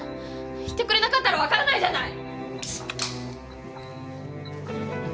言ってくれなかったら分からないじゃない！